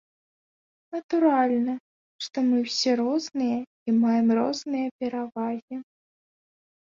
Натуральна, што мы ўсе розныя і маем розныя перавагі.